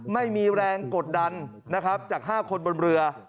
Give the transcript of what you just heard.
ไม่มีแรงกดดันจาก๕คนบนเรือ